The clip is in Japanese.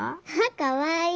かわいい。